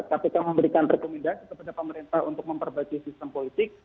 kpk memberikan rekomendasi kepada pemerintah untuk memperbaiki sistem politik